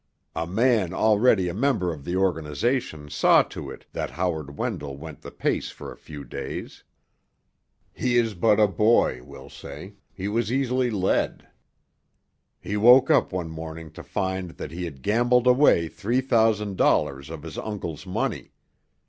A man already a member of the organization saw to it that Howard Wendell went the pace for a few days. He is but a boy, we'll say—he was easily led. He woke up one morning to find that he had gambled away three thousand dollars of his uncle's money.